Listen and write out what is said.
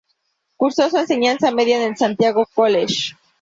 Cursó su enseñanza media en el Santiago College.